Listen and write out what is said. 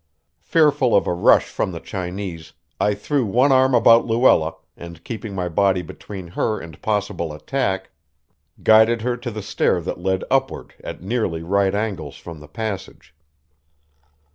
Fearful of a rush from the Chinese, I threw one arm about Luella, and, keeping my body between her and possible attack, guided her to the stair that led upward at nearly right angles from the passage.